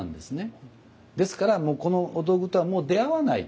ですからこのお道具とはもう出会わない。